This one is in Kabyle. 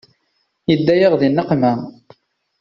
Yedda-yaɣ di nneqma.